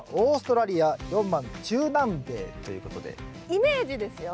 イメージですよ。